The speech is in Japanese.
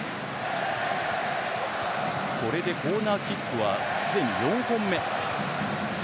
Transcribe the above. コーナーキックはすでに４本目。